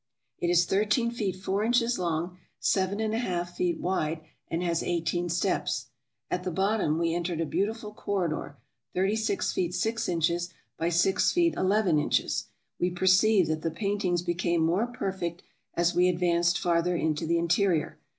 It is thirteen feet four inches long, seven and a half wide, and has eighteen steps. At the bottom we entered a beautiful corridor, thirty six feet six inches by six feet eleven inches. We perceived that the paintings became more per fect as we advanced farther into the interior.